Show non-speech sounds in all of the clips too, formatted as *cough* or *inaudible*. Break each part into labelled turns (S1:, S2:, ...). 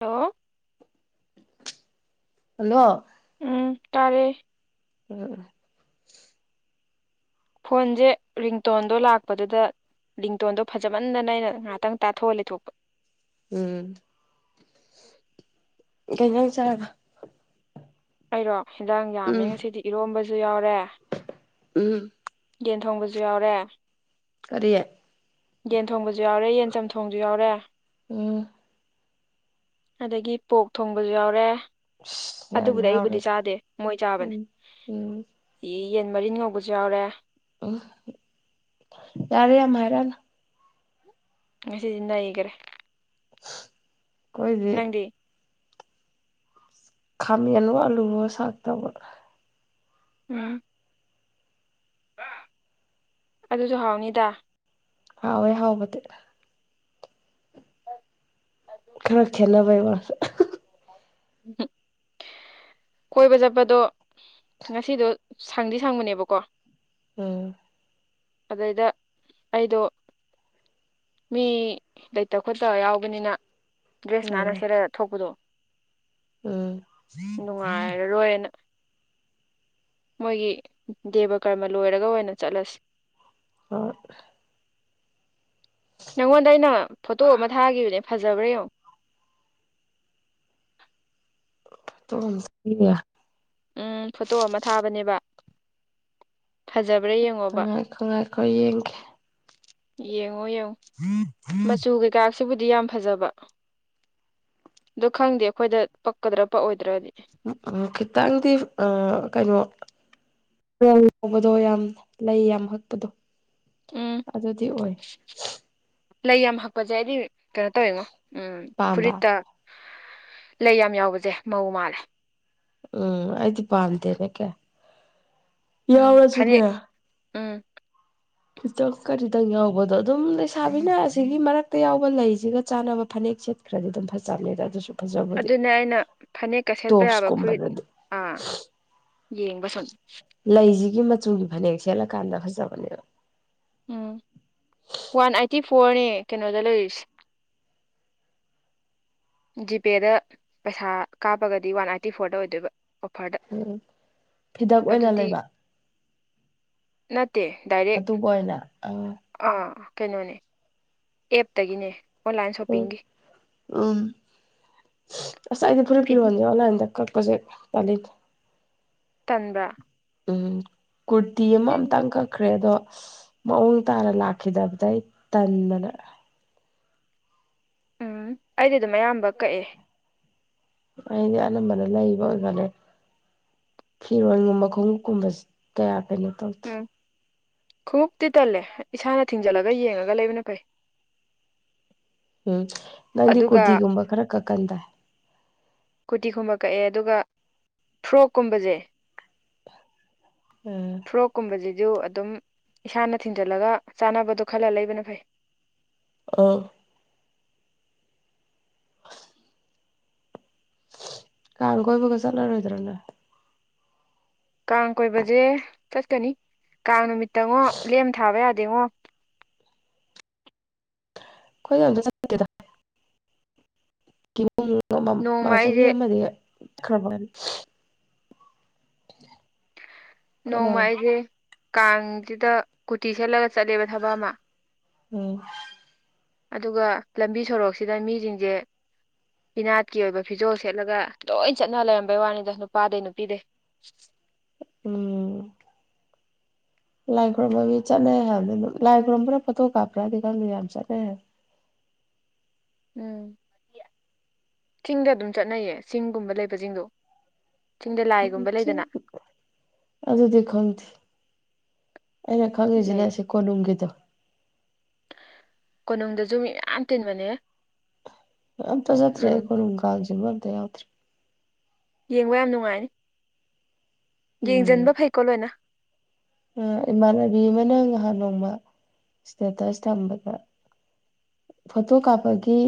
S1: Hello
S2: hello
S1: ꯎꯝ ꯇꯥꯔꯦ
S2: *unintelligible*
S1: ꯐꯣꯟꯁꯦ ꯔꯤꯡꯇꯣꯟꯗꯣ ꯂꯥꯛꯄꯗꯨꯗ ꯂꯤꯡꯇꯣꯟꯗꯣ ꯐꯖꯃꯟꯗꯅꯥꯑꯩꯅ ꯉꯥꯏꯍꯥꯛꯇꯪ ꯇꯥꯊꯣꯛꯑ ꯂꯩꯊꯣꯛꯄ
S2: ꯎꯝ *unintelligible* ꯆꯥꯕ
S1: ꯑꯩꯔꯣ ꯍꯦꯟꯗꯡ ꯌꯥꯝꯃꯦ
S2: ꯎꯝ
S1: ꯉꯁꯤꯗꯤ ꯏꯔꯣꯝꯕꯁꯨ ꯌꯥꯎꯔꯦ
S2: ꯎꯝ
S1: ꯌꯦꯟ ꯊꯣꯡꯕꯁꯨ ꯌꯥꯎꯔꯦ
S2: ꯀꯔꯤ?
S1: ꯌꯦꯟ ꯊꯣꯡꯕꯖꯨ ꯌꯥꯎꯔꯦ ꯌꯦꯟ ꯆꯝ ꯊꯣꯡꯖꯨ ꯌꯥꯎꯔꯦ꯫
S2: ꯎꯝ
S1: ꯑꯗꯒꯤ ꯄꯣꯛ ꯊꯣꯡꯕꯁꯨ ꯌꯥꯎꯔꯦ
S2: ꯑꯁ ꯌꯥꯝ
S1: ꯑꯗꯨꯕꯨꯗꯤ ꯑꯩꯕꯨꯗꯤ
S2: ꯌꯥꯎꯔꯦꯗ
S1: ꯆꯥꯗꯦ ꯃꯣꯏ ꯆꯥꯕꯅꯦ
S2: ꯎꯝ ꯎꯝ
S1: ꯌꯦꯟ ꯃꯔꯤꯟ ꯉꯧꯕꯁꯨ ꯌꯥꯎꯔꯦ
S2: ꯌꯥꯔꯦ ꯌꯥꯝꯍꯥꯏꯔꯛꯑꯅꯨ
S1: ꯉꯁꯤꯗꯤ ꯅꯩꯒꯔꯦ
S2: ꯈꯣꯏꯗꯤ
S1: ꯅꯪꯗꯤ
S2: ꯈꯥꯃꯦꯟꯂꯣ ꯑꯂꯨꯑꯣ ꯁꯥꯛ ꯇꯧꯕ
S1: ꯎꯝ ꯑꯗꯨꯖꯨ ꯍꯥꯎꯅꯤꯗ
S2: ꯍꯥꯎꯋꯤ ꯍꯥꯎꯕꯗꯤ ꯈꯔ ꯈꯦꯠꯅꯕꯩ ꯋꯥꯁꯦ
S1: ꯎꯝ ꯀꯣꯏꯕ ꯆꯠꯄꯗꯣ ꯉꯁꯤꯗꯣ ꯁꯪꯗꯤ ꯁꯪꯕꯅꯦꯕꯀꯣ
S2: ꯎꯝ
S1: ꯑꯗꯩꯗ ꯑꯩꯗꯣ ꯃꯤ ꯂꯩꯇ ꯈꯣꯠꯇꯕ ꯌꯥꯎꯕꯅꯤꯅ ꯗ꯭ꯔꯦꯁ ꯅꯥꯟꯅ
S2: ꯎꯝ
S1: ꯁꯦꯠꯂꯒ ꯊꯣꯛꯄꯗꯣ
S2: ꯎꯝ
S1: ꯅꯨꯡꯉꯥꯏꯔꯔꯣꯏꯅ ꯃꯣꯏꯒꯤ ꯗꯦꯕ ꯀꯔꯃ ꯂꯣꯏꯔꯒ ꯑꯣꯏꯅ ꯆꯠꯂꯁꯤ꯫
S2: ꯍꯣꯏ
S1: ꯅꯪꯉꯣꯟꯗ ꯑꯩꯅ ꯐꯣꯇꯣ ꯑꯃ ꯊꯥꯒꯤꯈꯤꯕꯅꯦ ꯐꯖꯕ꯭ꯔꯥ ꯌꯦꯡꯉꯣ꯫
S2: *unintelligible*
S1: ꯎꯝ ꯐꯣꯇꯣ ꯑꯃ ꯊꯥꯕꯅꯦꯕ ꯐꯖꯕ꯭ꯔꯥ ꯌꯦꯡꯉꯣꯕ
S2: ꯉꯥꯏꯈꯣ ꯉꯥꯏꯈꯣ ꯌꯦꯡꯒꯦ
S1: ꯌꯦꯡꯉꯣ- ꯌꯦꯡꯉꯣ ꯃꯆꯨ ꯀꯩꯀꯥ ꯁꯤꯕꯨꯗꯤ ꯌꯥꯝ ꯐꯖꯕ ꯗꯣ ꯈꯪꯗꯦ ꯑꯈꯣꯏꯗ ꯄꯛꯀꯗ꯭ꯔꯥ ꯄꯛꯑꯣꯏꯗ꯭ꯔꯗꯤ꯫
S2: ꯎꯝ ꯈꯤꯇꯪꯗꯤ ꯑ ꯀꯩꯅꯣ ꯂꯧꯕꯗꯣ ꯌꯥꯝ ꯂꯩ ꯌꯥꯝ ꯍꯛꯄꯗꯣ
S1: ꯎꯝ
S2: ꯑꯗꯨꯗꯤ ꯑꯣꯏ
S1: ꯂꯩ ꯌꯥꯝ ꯍꯛꯄꯖꯦ ꯑꯩꯗꯤ ꯀꯩꯅꯣ ꯇꯧꯋꯦꯉꯣ ꯎꯝ
S2: ꯄꯥꯝꯕ
S1: ꯐꯨꯔꯤꯠꯇ ꯂꯩ ꯌꯥꯝ ꯌꯥꯎꯕꯖꯦ ꯃꯧ ꯃꯥꯜꯂꯦ꯫
S2: ꯎꯝ ꯑꯩꯗꯤ ꯄꯥꯝꯗꯦꯗ ꯀꯌꯥ꯫
S1: ꯎꯝ ꯐꯅꯦꯛ
S2: ꯌꯥꯎꯔꯁꯨꯅꯦ
S1: ꯎꯝ
S2: ꯈꯤꯇꯪ ꯀꯔꯤꯇꯪ ꯌꯥꯎꯕꯗꯣ ꯑꯗꯨꯝ ꯂꯩꯁꯥꯕꯤꯅ ꯑꯁꯤꯒꯤ ꯃꯔꯛꯇ ꯌꯥꯎꯕ ꯂꯩꯁꯤꯒ ꯆꯥꯅꯕ ꯐꯅꯦꯛꯁꯦ ꯈꯔꯗꯤ ꯑꯗꯨꯝ ꯐꯖꯕꯅꯦꯗ ꯑꯗꯨꯁꯨ ꯐꯖꯕꯨꯗꯤ
S1: ꯑꯗꯨꯅꯦ ꯑꯩꯅ ꯐꯅꯦꯛꯀ ꯁꯦꯠꯄ ꯌꯥꯕ ꯐꯨꯔꯤꯠ
S2: ꯇꯣꯞꯁꯀꯨꯝꯕꯗꯗꯤ
S1: ꯑꯥ ꯌꯦꯡꯕ ꯁꯨꯝ
S2: ꯂꯩꯁꯤꯒꯤ ꯃꯆꯨꯒꯤ ꯐꯅꯦꯛ ꯁꯦꯠꯂꯀꯥꯟꯗ ꯐꯖꯕꯅꯦꯕ
S1: ꯎꯝ ꯋꯥꯟ ꯑꯥꯏꯠꯇꯤ ꯐꯣꯔꯅꯦ ꯀꯩꯅꯣꯗ ꯂꯩꯔꯤꯁꯦ꯫ ꯖꯤꯄꯦꯗ ꯄꯩꯁꯥ ꯀꯥꯞꯄꯒꯗꯤ ꯋꯥꯟ ꯑꯥꯏꯇꯤ ꯐꯣꯔꯗ ꯑꯣꯏꯗꯣꯏꯕ꯫ ꯑꯣꯐꯔꯗ
S2: ꯎꯝ ꯐꯤꯗꯛ ꯑꯣꯏꯅ
S1: ꯑꯗꯨꯗꯤ
S2: ꯂꯩꯕ
S1: ꯅꯠꯇꯦ ꯗꯥꯏꯔꯦꯛ
S2: ꯑꯗꯨꯒ ꯑꯣꯏꯅ ꯑꯥ
S1: ꯑꯥ ꯀꯩꯅꯣꯅꯦ ꯑꯦꯞꯇꯒꯤꯅꯦ ꯑꯣꯟꯂꯥꯏꯟ ꯁꯣꯞꯄꯤꯡꯒꯤ
S2: ꯎꯝ ꯑꯁ ꯑꯩꯗꯤ ꯐꯨꯔꯤꯠ -
S1: ꯐꯤꯠ
S2: ꯐꯤꯔꯣꯟꯖꯦ ꯑꯣꯟꯂꯥꯏꯟꯗꯩ ꯀꯛꯄꯖꯦ ꯇꯜꯂꯤ꯫
S1: ꯇꯟꯕ꯭ꯔꯥ?
S2: ꯎꯝ ꯀꯨꯔꯇꯤ ꯑꯃ ꯑꯝꯇꯪ ꯀꯛ ꯈ꯭ꯔꯦ ꯑꯗꯣ ꯃꯑꯣꯡ ꯇꯥꯅ ꯂꯥꯛꯈꯤꯗꯕꯗꯩ ꯇꯟꯗꯅ
S1: ꯎꯝ ꯑꯩꯗꯤ ꯑꯗꯨꯝ ꯑꯌꯥꯝꯕ ꯀꯛꯑꯦ꯫
S2: ꯑꯩꯗꯤ ꯑꯅꯝꯕꯅ ꯂꯩꯕ ꯑꯣꯏꯒꯜꯂꯦ ꯫ ꯐꯤꯔꯣꯟꯒꯨꯝꯕ ꯈꯣꯡꯎꯞꯀꯨꯝꯕ ꯀꯌꯥ ꯀꯩꯅꯣ ꯇꯧꯗꯦ
S1: ꯎꯝ ꯈꯣꯡꯎꯛꯇꯤ ꯇꯜꯂꯦ ꯏꯁꯥꯅ ꯊꯤꯡꯖꯜꯂꯒ ꯌꯦꯡꯉꯒ ꯂꯩꯕꯅ ꯐꯩ꯫
S2: ꯎꯝ ꯅꯪꯗꯤ
S1: ꯑꯗꯨꯒ
S2: ꯀꯨꯔꯇꯤꯒꯨꯝꯕ ꯈꯔ ꯀꯛꯀꯟꯗ
S1: ꯀꯨꯔꯇꯤꯒꯨꯝꯕ ꯀꯛꯑꯦ ꯑꯗꯨꯒ ꯐ꯭ꯔꯣꯛꯀꯨꯝꯕꯁꯦ
S2: ꯎꯝ
S1: ꯐꯣꯔꯣꯛꯀꯨꯝꯕꯁꯤꯁꯨ ꯑꯗꯨꯝ ꯏꯁꯥꯅ ꯊꯤꯟꯖꯜꯂꯒ ꯆꯥꯅꯕꯗꯣ ꯈꯜꯂ ꯂꯩꯕꯅ ꯐꯩ
S2: ꯑ ꯀꯥꯡ ꯀꯣꯏꯕꯒ ꯆꯠꯂꯔꯣꯏꯗ꯭ꯔꯅ
S1: ꯀꯥꯡ ꯀꯣꯏꯕꯁꯦ ꯆꯠꯀꯅꯤ ꯀꯥꯡ ꯅꯨꯃꯤꯠꯇꯉꯣ ꯂꯦꯝ ꯊꯥꯕ ꯌꯥꯗꯦꯉꯣ
S2: ꯈꯣꯏ ꯆꯗ ꯆꯦꯗ
S1: ꯅꯣꯡꯃ
S2: ꯆꯍꯤ
S1: ꯑꯩꯁꯦ
S2: ꯑꯃꯗꯤ ꯈꯕ
S1: ꯅꯣꯡꯃ ꯑꯩꯁꯦ ꯀꯥꯡꯁꯤꯗ ꯀꯨꯇꯤ ꯁꯦꯠꯂꯒ ꯆꯠꯂꯦꯕ ꯊꯕꯛ ꯑꯃ
S2: ꯎꯝ
S1: ꯑꯗꯨꯒ ꯂꯝꯕꯤ ꯁꯣꯔꯣꯛꯁꯤꯗ ꯃꯤꯁꯤꯡꯁꯦ ꯐꯤꯅꯥꯠꯀꯤ ꯑꯣꯏꯕ ꯐꯤꯖꯣꯜ ꯁꯦꯠꯂꯒ ꯂꯣꯏ ꯆꯠꯅ ꯂꯩꯔꯝꯕꯩ ꯋꯥꯅꯤꯗꯣ ꯅꯨꯄꯥꯗꯩ ꯅꯨꯄꯤꯗꯩ ꯎ
S2: ꯎꯝ ꯂꯥꯏ ꯈꯨꯣꯏꯔꯨꯝꯝꯕ ꯃꯤ ꯆꯠꯅꯩ ꯍꯥꯏꯕꯅꯤ ꯂꯥꯏ ꯈꯣꯏꯔꯨꯝꯝꯕ꯭ꯔꯥ ꯐꯣꯇꯣ ꯀꯥꯞꯄ꯭ꯔꯥꯗꯤ ꯈꯪꯗꯦ ꯌꯥꯝ ꯆꯠꯅꯩ ꯍꯥꯏ
S1: ꯎꯝ ꯆꯤꯡꯗ ꯑꯗꯨꯝ ꯆꯠꯅꯩꯌꯦ ꯆꯤꯡꯒꯨꯝꯕ ꯂꯩꯕꯁꯤꯡꯗꯣ ꯆꯤꯡꯗ ꯂꯥꯏꯒꯨꯝꯕ ꯂꯩꯗꯅ
S2: ꯑꯗꯗꯤ ꯑꯩꯅ ꯈꯪꯉꯤꯁꯤꯅꯦ
S1: ꯂꯩ
S2: ꯁꯤ ꯀꯣꯅꯨꯡꯝꯒꯤꯗ
S1: ꯀꯣꯅꯨꯡꯗꯁꯨ ꯃꯤ ꯃꯌꯥꯝ ꯇꯤꯟꯕꯅꯦ
S2: ꯑꯝꯇ ꯆꯠꯇ꯭ꯔꯤ ꯑꯩ
S1: ꯎꯝ
S2: ꯈꯨꯔꯨꯝꯅꯨꯡ ꯀꯥꯜꯁꯤꯕ ꯑꯝ ꯌꯥꯎꯗ꯭ꯔꯦ
S1: ꯌꯦꯡꯕ ꯌꯥꯝ ꯅꯨꯡꯉꯥꯏꯅꯤ
S2: ꯎꯝ
S1: ꯌꯦꯡꯁꯤꯟꯕ ꯐꯩꯀꯣ ꯂꯣꯏꯅ
S2: ꯏꯃꯥꯟꯅꯕꯤ ꯑꯃꯅ ꯉꯍꯥꯟ ꯅꯣꯡꯃ ꯏꯁꯇꯦꯇꯁ ꯊꯝꯕꯗ ꯐꯣꯇꯣ ꯀꯥꯞꯄꯒꯤ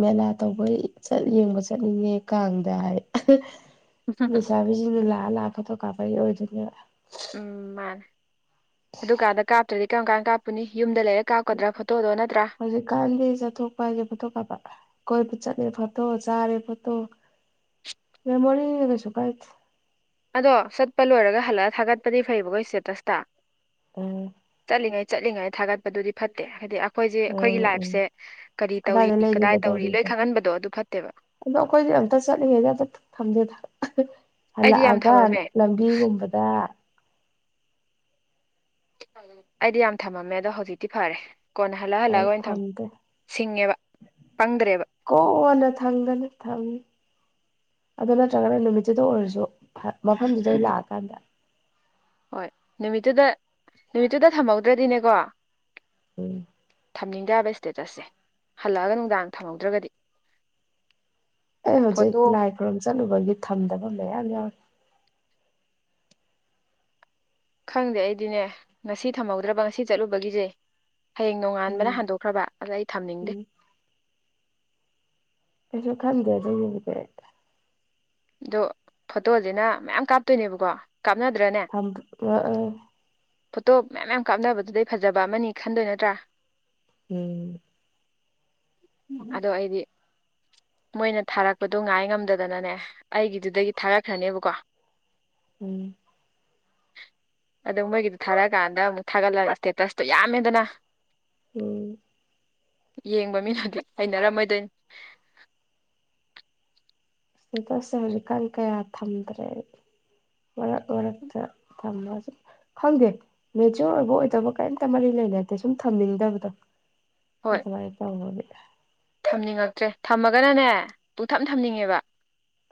S2: ꯃꯦꯂꯥ ꯇꯧꯕ ꯆꯠ ꯌꯦꯡꯕ ꯆꯠꯅꯤꯡꯉꯦ ꯀꯥꯡꯗ ꯍꯥꯏ ꯂꯩꯁꯥꯕꯤꯁꯤꯡꯅ ꯂꯥꯛꯑ ꯂꯥꯛꯄꯗꯣ ꯀꯥꯞꯄꯒꯤ ꯑꯣꯏꯗꯣꯏꯅꯦꯕ
S1: ꯎꯝ ꯃꯥꯅꯦ ꯑꯗꯨꯀꯥꯟꯗ ꯀꯥꯞꯇ꯭ꯔꯗꯤ ꯀꯔꯝ ꯀꯥꯟ ꯀꯥꯞꯄꯅꯤ ꯌꯨꯝꯗ ꯂꯩꯔꯒ ꯀꯥꯞꯀꯗ꯭ꯔꯥ ꯐꯣꯇꯣꯗꯣ ꯅꯠꯇ꯭ꯔꯥ
S2: ꯍꯧꯖꯤꯛꯀꯥꯟꯗꯤ ꯆꯠꯊꯣꯛꯄ ꯍꯥꯏꯁꯦ ꯐꯣꯠꯇꯣꯛ ꯀꯥꯄ ꯀꯣꯏꯕꯨ ꯆꯠꯦ ꯐꯣꯇꯣ ꯆꯥꯔꯦ ꯐꯣꯇꯣ ꯃꯦꯃꯣꯔꯤ ꯀꯩꯁꯨ ꯀꯥꯏ
S1: ꯑꯗꯣ ꯆꯠꯄ ꯂꯣꯏꯔꯒ ꯍꯜꯂꯛꯑ ꯊꯥꯒꯠꯄꯗꯤ ꯐꯩꯕꯈꯣ ꯁ꯭ꯇꯦꯇꯁꯇ
S2: ꯎꯝ
S1: ꯆꯠꯂꯤꯉꯩ ꯆꯠꯂꯤꯉꯩ ꯊꯥꯒꯠꯄꯗꯨꯗꯤ ꯐꯠꯇꯦ ꯍꯥꯏꯗꯤ ꯑꯩꯈꯣꯏꯁꯦ
S2: ꯎꯝ
S1: ꯑꯩꯈꯣꯏꯒꯤ
S2: ꯎꯝ
S1: ꯂꯥꯏꯐꯁꯦ ꯀꯔꯤ ꯇꯧꯔꯤ
S2: ꯀꯗꯥꯏꯗ
S1: ꯀꯗꯥꯏ ꯇꯧꯔꯤ ꯂꯣꯏ
S2: ꯂꯩꯔꯤꯒꯗꯧꯔꯤꯒꯦ
S1: ꯈꯪꯍꯟꯕꯗꯣ ꯑꯗꯨ ꯐꯠꯇꯦꯕ
S2: ꯑꯗꯣ ꯑꯩꯈꯣꯏꯗꯤ ꯑꯝꯇ ꯆꯠꯂꯤꯉꯩꯗ ꯑꯝꯇ ꯊꯝꯗꯦꯗ
S1: ꯑꯩꯗꯤ ꯌꯥꯝ
S2: ꯍꯜꯂꯛꯑꯒ
S1: ꯊꯝꯃꯝꯃꯦ
S2: ꯂꯝꯕꯤꯒꯨꯝꯕꯗ
S1: ꯑꯩꯗꯤ ꯌꯥꯝ ꯊꯝꯃꯝꯃꯦ ꯑꯗꯣ ꯍꯧꯖꯤꯛꯇꯤ ꯐꯔꯦ ꯀꯣꯟꯅ ꯍꯜꯂꯛ ꯍꯜꯂꯛꯑꯒ ꯑꯣꯏꯅ ꯊꯝ
S2: ꯊꯝꯗꯦ
S1: ꯁꯤꯡꯉꯦꯕ ꯄꯪꯗ꯭ꯔꯦꯕ
S2: ꯀꯣꯟꯅ ꯊꯪꯗꯅ ꯊꯪꯉ ꯑꯗꯨ ꯅꯠꯇ꯭ꯔꯒꯅ ꯅꯨꯃꯤꯠꯇꯨꯗ ꯑꯣꯏꯔꯁꯨ ꯃꯐꯝꯗꯨꯗꯩ ꯂꯥꯛꯑꯀꯥꯟꯗ
S1: ꯍꯣꯏ ꯅꯨꯃꯤꯠꯇꯨꯗ ꯅꯨꯃꯤꯠꯇꯨꯗ ꯊꯝꯍꯧꯗ꯭ꯔꯗꯤꯅꯦꯀꯣ
S2: ꯎꯝ
S1: ꯊꯝꯅꯤꯡꯗꯦ ꯌꯥꯕ ꯏꯁꯇꯦꯇꯁꯁꯦ ꯍꯜꯂꯛꯑꯒ ꯅꯨꯡꯗꯥꯡ ꯊꯝꯍꯧꯗ꯭ꯔꯒꯗꯤ
S2: ꯑꯩ ꯍꯧꯖꯤꯛ
S1: ꯐꯣꯇꯣ
S2: ꯂꯥꯏ ꯈꯨꯔꯨꯝ ꯆꯠꯂꯨꯕꯒꯤ ꯊꯝꯗꯕ ꯃꯌꯥꯝ ꯌꯥꯎꯔꯤ
S1: ꯈꯪꯗꯦ ꯑꯩꯗꯤꯅꯦ ꯉꯁꯤ ꯊꯝꯍꯧꯗ꯭ꯔꯕ ꯉꯁꯤ ꯆꯠꯂꯨꯕꯒꯤꯁꯦ ꯍꯌꯦꯡ
S2: ꯎꯝ
S1: ꯅꯣꯡꯉꯥꯟꯕꯅ ꯍꯟꯗꯣꯛꯈ꯭ꯔꯕ ꯑꯗ ꯑꯩ ꯊꯝꯅꯤꯡꯗꯦ
S2: ꯎꯝ ꯀꯩꯁꯨ ꯈꯪꯗꯦ ꯑꯗꯨ ꯌꯦ ꯀ
S1: ꯑꯗꯣ ꯐꯣꯇꯣꯁꯤꯅ ꯃꯌꯥꯝ ꯀꯥꯞꯇꯣꯏꯅꯦꯕꯀꯣ ꯀꯥꯞꯅꯗ꯭ꯔꯅꯦ
S2: ꯊ
S1: ꯐꯣꯇꯣ ꯃꯌꯥꯝꯌꯥꯝ ꯀꯥꯞꯅꯕꯗꯨꯗꯩ ꯐꯖꯕ ꯑꯃꯅꯤ ꯈꯟꯗꯣꯏ ꯅꯠꯇ꯭ꯔꯥ
S2: ꯎꯝ ꯎꯝ
S1: ꯑꯗꯣ ꯑꯩꯗꯤ ꯃꯣꯏꯅ ꯊꯥꯔꯛꯄꯗꯣ ꯉꯥꯏ ꯉꯝꯗꯗꯅꯅꯦ ꯑꯩꯒꯤꯗꯨꯗꯒꯤ ꯊꯥꯔꯛꯈ꯭ꯔꯅꯦꯕꯀꯣ
S2: ꯎꯝ
S1: ꯑꯗꯨ ꯃꯣꯏꯒꯤꯗꯨ ꯊꯥꯔꯛꯑꯀꯥꯟꯗ ꯑꯃꯨꯛ ꯊꯥꯒꯠꯂꯒ ꯏꯁꯇꯦꯇꯁꯇꯨ ꯌꯥꯝꯃꯦꯗꯅ
S2: ꯎꯝ
S1: ꯌꯦꯡꯕ ꯃꯤꯅꯗꯤ ꯍꯩꯅꯔꯝꯃꯣꯏꯗꯣꯏꯅꯤ
S2: ꯑꯇꯣꯁꯦ ꯍꯧꯖꯤꯛꯀꯥꯟ ꯀꯌꯥ ꯊꯝꯗ꯭ꯔꯦ ꯔꯇ ꯇꯃꯁ ꯈꯪꯗꯦ ꯃꯦꯆꯣꯔ ꯑꯣꯏꯕ ꯑꯣꯏꯗꯕ ꯀꯔꯤꯝꯇ ꯃꯔꯤ ꯂꯩꯅꯗꯦ ꯁꯨꯝ ꯊꯝꯅꯤꯡꯗꯕꯗꯣ
S1: ꯍꯣꯏ
S2: ꯑꯗꯨꯅꯥꯏꯇ ꯎꯗꯤ
S1: ꯊꯝꯅꯤꯡꯉꯛꯇ꯭ꯔꯦ ꯊꯝꯃꯒꯅꯅꯦ ꯄꯨꯊꯞ ꯊꯝꯅꯤꯡꯉꯦꯕ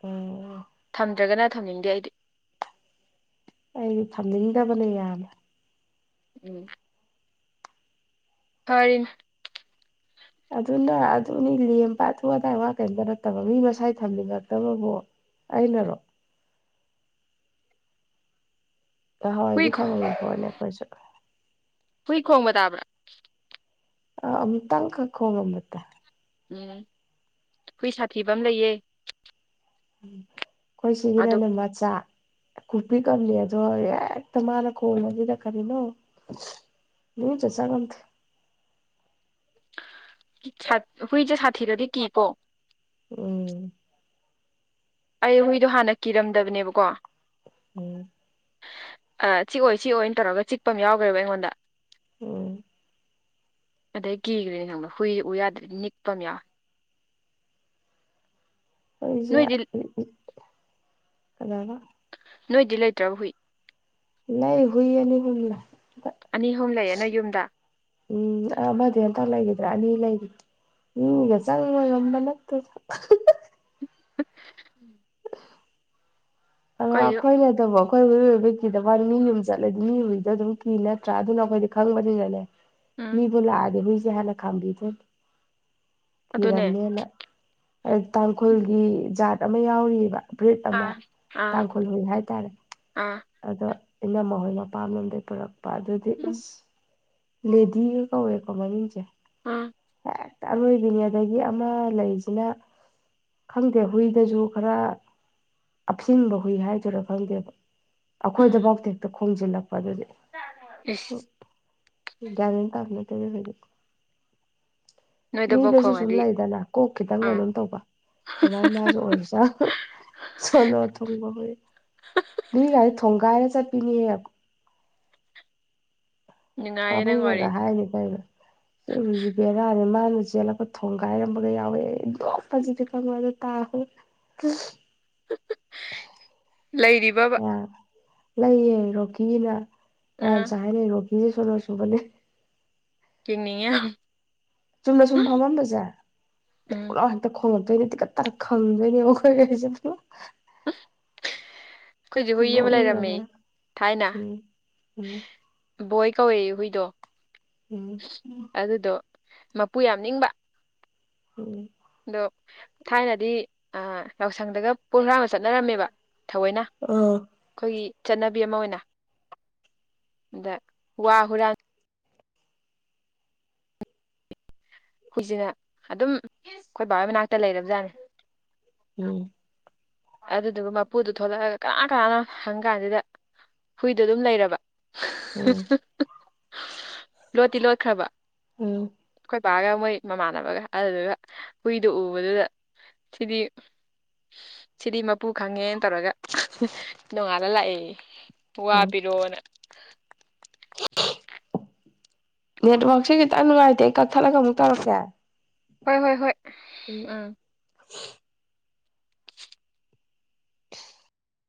S2: ꯑꯣ
S1: ꯊꯝꯗ꯭ꯔꯒꯅ ꯊꯝꯅꯤꯡꯗꯦ ꯑꯩꯗꯤ
S2: ꯑꯩꯗꯤ ꯊꯝꯅꯤꯡꯗꯕꯅꯦ ꯌꯥꯝꯃꯦ
S1: ꯎꯝ ꯐꯔꯤ
S2: ꯑꯗꯨꯅ ꯑꯗꯨꯅꯤ ꯂꯦꯝꯕꯊꯨ ꯑꯗꯥꯏ ꯋꯥ ꯀꯔꯤꯝꯇ ꯅꯠꯇꯕ ꯃꯤ ꯃꯁꯥꯏ ꯊꯝꯅꯤꯡꯉꯛꯇꯕꯕꯨꯣ ꯑꯩꯅꯔꯣ
S1: ꯍꯨꯏ
S2: ꯍꯋꯥꯏꯗꯤ ꯊꯝꯃꯕꯣꯠꯅꯦ ꯑꯩꯈꯣꯏꯁꯨ
S1: ꯍꯨꯏ ꯈꯣꯡꯕ ꯇꯥꯕ꯭ꯔꯥ
S2: ꯑꯝꯇꯪ ꯀ ꯀꯉ ꯃꯠꯇ
S1: ꯎꯝ ꯍꯨꯏ ꯁꯥꯊꯤꯕ ꯑꯃ ꯂꯩꯌꯦ
S2: ꯑꯩꯈꯣꯏ
S1: ꯑꯗꯣ
S2: ꯁꯤꯒꯤꯅꯅꯦ ꯃꯆꯥ ꯈꯨꯄꯤ ꯀꯝꯅꯦ ꯑꯗꯣ ꯍ ꯃꯥꯔ ꯈꯣꯜ ꯅꯗ ꯈꯔꯤꯅ ꯅ ꯆ ꯆꯒꯟ
S1: ꯁꯥ ꯍꯨꯏꯁꯦ ꯁꯥꯊꯤꯔꯗꯤ ꯀꯦꯀꯣ
S2: ꯎꯝ
S1: ꯑꯩ ꯍꯨꯏꯗꯣ ꯍꯥꯟꯅ ꯀꯤꯔꯝꯗꯕꯅꯦꯕꯀꯣ
S2: ꯎꯝ
S1: ꯑ ꯆꯤꯛꯑꯣꯏ ꯆꯤꯛꯑꯣꯏꯅ ꯇꯧꯔꯒ ꯆꯤꯛꯄ ꯑꯃ ꯌꯥꯎꯈ꯭ꯔꯦꯕ ꯑꯩꯉꯣꯟꯗ
S2: ꯎꯝ
S1: ꯑꯗꯩ ꯀꯤꯈ꯭ꯔꯦꯅꯦ ꯈꯪꯕ ꯍꯨꯏ ꯎ ꯌꯥꯗ꯭ꯔꯗꯤ ꯅꯤꯛꯄ ꯑꯃ ꯌꯥꯎ
S2: ꯑꯩꯣꯏꯖ
S1: ꯅꯣꯏꯗꯤ
S2: ꯑꯅꯥꯕ
S1: ꯅꯣꯏꯗꯤ ꯂꯩꯇ꯭ꯔꯥ ꯍꯨꯏ
S2: ꯂꯩ ꯍꯨꯏꯌꯦꯅꯤ ꯄꯨꯂ
S1: ꯑꯅꯤ ꯑꯍꯨꯝ ꯂꯩꯌꯦꯅ ꯌꯨꯝꯗ
S2: ꯎꯝ ꯑꯃꯗꯤ ꯑꯟꯇ ꯂꯩꯈꯤꯗ꯭ꯔꯥ ꯑꯅꯤ ꯂꯩꯔꯤ ꯍꯒ ꯆꯪꯉꯣꯏ ꯌꯝꯕ ꯅꯠꯇ
S1: ꯎ
S2: ꯑꯔ ꯑ
S1: ꯑꯩꯈꯣꯏꯁꯨ
S2: ꯀꯣꯏꯔꯗꯕꯣ ꯑꯩꯈꯣꯏ ꯎꯏꯕꯒꯤ ꯀꯤꯗꯕ ꯃꯤꯅꯤ ꯑꯗꯨꯝ ꯆꯠꯂꯗꯤ ꯃꯤ ꯑꯣꯏꯕꯤꯗꯣ ꯑꯗꯨꯝ ꯀꯤ ꯅꯠꯇ꯭ꯔꯥ ꯑꯗꯨꯅ ꯑꯩꯈꯣꯏꯗꯤ ꯈꯪꯕꯅꯤꯅꯅꯦ
S1: ꯎꯝ
S2: ꯃꯤꯕꯨ ꯂꯗꯦꯕꯨꯁꯦ ꯍꯥꯏꯦꯅ ꯈꯪꯕꯤ ꯊ
S1: ꯑꯗꯨꯅꯦ
S2: ꯊꯤꯔꯝꯃꯦꯅ ꯇꯥꯡꯈꯨꯜꯒꯤ ꯖꯥꯠ ꯑꯃ ꯌꯥꯎꯕ ꯕ꯭ꯔꯤꯠ ꯑꯃ
S1: ꯑꯥ ꯑꯥ
S2: ꯇꯥꯡꯈꯨꯜ ꯍꯨꯜ ꯍꯥꯏꯇꯥꯔꯦ
S1: ꯑꯥ
S2: ꯑꯗꯣ ꯑꯩꯅ ꯃꯈꯣꯏ ꯃꯄꯥꯝ ꯂꯝꯣꯝꯗꯩ ꯄꯨꯔꯛꯄ ꯄꯥ ꯑꯗꯨꯗꯤ
S1: ꯎꯝ
S2: ꯏꯁ ꯂꯦꯗꯤꯒ ꯀꯧꯋꯦꯀꯣ ꯃꯃꯤꯡꯁꯦ
S1: ꯑꯥ
S2: ꯍꯦꯛꯇ ꯑꯔꯣꯏꯕꯤꯅꯤ ꯑꯗꯒꯤ ꯑꯃ ꯂꯩꯔꯤꯁꯤꯅ ꯈꯪꯗꯦ ꯍꯨꯏꯗꯁꯨ ꯈꯔ ꯑꯞꯁꯤꯟꯕ ꯍꯨꯏ ꯍꯥꯏꯗꯣꯏꯔꯥ ꯈꯪꯗꯦꯕ
S1: ꯎꯝ
S2: ꯑꯩꯈꯣꯏꯗꯐꯧꯗ ꯍꯦꯛꯇ ꯈꯣꯝꯖꯤꯜꯂꯛꯄ ꯑꯗꯨꯗꯤ
S1: *unintelligible*
S2: ꯒ꯭ꯌꯥꯟ ꯇꯥꯕ ꯅꯠꯇꯦꯗ ꯈꫭꯏꯗꯤ
S1: ꯅꯣꯏꯗꯕꯧ
S2: ꯃꯤꯗꯁꯨ ꯁꯨꯝ
S1: ꯈꯣꯡꯉꯗꯤ
S2: ꯂꯩꯗꯅ ꯀꯣꯛ ꯈꯤꯇꯪ
S1: ꯑꯥ
S2: ꯀꯩꯅꯣꯝ ꯇꯧꯕ ꯗꯃꯥꯏ ꯃꯥꯁꯨ ꯑꯣꯏꯕꯖꯠ ꯁꯣꯅꯣ ꯊꯨꯡꯕ ꯍꯨꯏ ꯃꯤꯒꯥꯖꯦ ꯊꯣꯡꯒꯥꯏꯔ ꯆꯠꯄꯤꯅꯦꯌꯦ
S1: ꯅꯨꯡꯉꯥꯏꯌꯦ ꯅꯪ ꯋꯥꯔꯤ
S2: ꯄꯥꯕꯨꯡꯅꯒ ꯍꯥꯏꯅꯦ ꯀꯩꯅꫭ ꯁꯤ ꯍꯨꯏꯖꯤ ꯕꯦꯔꯥꯅꯦ ꯃꯥꯅ ꯆꯦꯜꯂꯛꯄ ꯊꯣꯡꯒꯥꯏꯔꯝꯕꯒ ꯌꯥꯎꯋꯦ ꯑꯩ ꯅꯣꯛꯄꯁꯤꯗꯤ ꯈꯪꯕ꯭ꯔ ꯑꯗꯨ ꯇꯥꯔ
S1: *unintelligible* ꯂꯩꯔꯤꯕꯥꯕ
S2: ꯑ ꯂꯩꯌꯦ ꯔꯣꯛꯀꯤꯅ
S1: ꯑꯥ
S2: ꯃꯌꯥꯝꯁꯨ ꯍꯥꯏꯅꯩ ꯔꯣꯛꯀꯤꯁꯦ ꯁꫭꯅꫭ ꯆꯨꯕꯅꯦ
S1: ꯌꯦꯡꯅꯤꯡꯉꯦ ꯌꯥꯝ
S2: ꯆꯨꯝꯗ ꯁꯨꯝ ꯐꯥꯝꯃꯥꯝꯕ ꯖꯦ
S1: ꯎꯝ
S2: ꯄꯨꯂ ꯍꯦꯛꯇ ꯈꯣꯉꯛꯇꯣꯏꯅꯤ ꯇꯤꯀꯠ ꯇꯔ ꯈꯝꯗꯣꯏꯅꯦ ꯑꯩꯈꯣꯏ ꯀꯩꯁꯦ *unintelligible*
S1: ꯑꯩꯈꯣꯏꯁꯨ ꯍꯨꯏ ꯑꯃ ꯂꯩꯔꯝꯃꯦ
S2: ꯅꯣꯛꯅꯤꯡꯉꯒ
S1: ꯊꯥꯏꯅ
S2: ꯎꯝ ꯎꯝ
S1: ꯕꯣꯏ ꯀꯧꯋꯦ ꯍꯨꯏꯗꯣ
S2: ꯎꯝ
S1: ꯑꯗꯨꯗꯣ ꯃꯄꯨ ꯌꯥꯝ ꯅꯤꯡꯕ
S2: ꯎꯝ
S1: ꯑꯗꯣ ꯊꯥꯏꯅꯗꯤ ꯌꯥꯎꯁꯪꯗꯒ ꯄꯨꯡꯊ꯭ꯔꯥ ꯑꯃ ꯆꯠꯅꯔꯝꯃꯦꯕ ꯊꯑꯣꯏꯅ
S2: ꯑ
S1: ꯑꯩꯈꯣꯏꯒꯤ ꯆꯠꯅꯕꯤ ꯑꯃ ꯑꯣꯏꯅ ꯑꯗ ꯋꯥ ꯍꯨꯔꯥꯟ ꯍꯨꯏꯁꯤꯅ ꯑꯗꯨꯝ ꯑꯩꯈꯣꯏ ꯕꯥꯣꯏ ꯃꯅꯥꯛꯇ ꯂꯩꯔꯕꯖꯥꯠꯅꯤ
S2: ꯎꯝ
S1: ꯑꯗꯨꯗꯨꯒ ꯃꯄꯨꯗꯨꯣ ꯊꯣꯂꯛꯑꯒ ꯀꯅꯥ ꯀꯅꯥꯅ ꯍꯪ ꯀꯥꯟꯁꯤꯗ ꯍꯨꯏꯗꯣ ꯑꯗꯨꯝ ꯂꯩꯔꯕ
S2: ꯎꯝ
S1: ꯂꯣꯠꯇꯤ ꯂꯣꯠꯈ꯭ꯔꯕ
S2: ꯎꯝ
S1: ꯈꯣꯏꯄꯥꯒ ꯃꯣꯏ ꯃꯃꯥꯟꯅꯕꯒ ꯑꯗꯨꯗꯨꯒ ꯍꯨꯏꯗꯨꯣ ꯎꯕꯗꯨꯗ ꯁꯤꯗꯤ ꯁꯤꯗꯤ ꯃꯄꯨ ꯈꯪꯉꯦꯅ ꯇꯧꯔꯒ ꯅꯣꯡꯉꯥꯜꯂ ꯂꯥꯛꯑꯦ ꯋꯥ
S2: ꯎꯝ
S1: ꯄꯤꯔꯣꯅ
S2: ꯅꯦꯠꯋꯔꯛꯁꯦ ꯈꯤꯇꯪ ꯅꯨꯡꯉꯥꯏꯇꯦ ꯀꯛꯊꯠꯂꯒ ꯑꯃꯨꯛ ꯇꯧꯔꯛꯀꯦ
S1: ꯍꯣꯏ ꯍꯣꯏ ꯍꯣꯏ ꯎꯝ